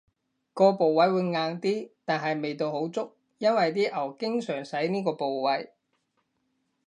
個部位會硬啲，但係味道好足，因爲啲牛經常使呢個部位